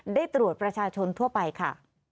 ได้ตรวจประชาชนทั่วไปค่ะ